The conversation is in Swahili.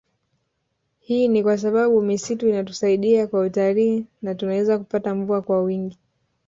Hii ni kwa sababu misitu inatusaidia kwa utalii na tunaweza kupata mvua kwa wingi